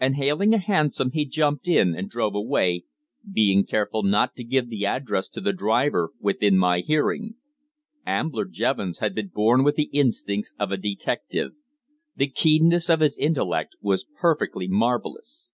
And hailing a hansom he jumped in and drove away, being careful not to give the address to the driver while within my hearing. Ambler Jevons had been born with the instincts of a detective. The keenness of his intellect was perfectly marvellous.